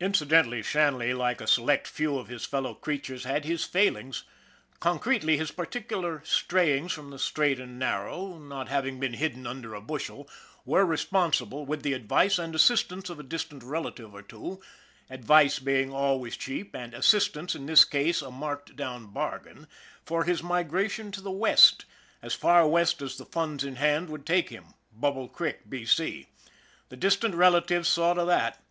Incidentally, Shanley, like a select few of his fellow creatures, had his failings; concretely, his particular strayings from the straight and narrow way, not hav SHANLEY'S LUCK 97 ing been hidden under a bushel, were responsible, with the advice and assistance of a distant relative or two advice being always cheap, and assistance, in this case, a marked down bargain for his migration to the West, as far West as the funds in hand would take him Bubble Creek, B. C, the distant relatives saw to that.